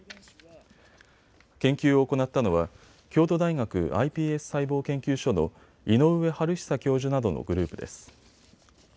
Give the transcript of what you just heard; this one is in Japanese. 研究を行ったのは京都大学ｉＰＳ細胞研究所の井上治久教授などのグループです。